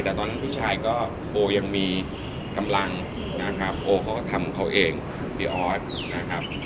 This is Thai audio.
แต่ตอนนั้นผู้ชายก็โบยังมีกำลังนะครับโอเขาก็ทำเขาเองพี่ออสนะครับ